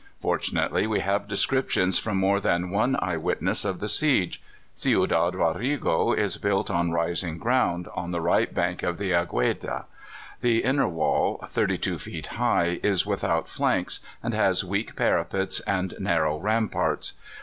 Fortunately, we have descriptions from more than one eyewitness of the siege. Ciudad Rodrigo is built on rising ground, on the right bank of the Agueda. The inner wall, 32 feet high, is without flanks, and has weak parapets and narrow ramparts.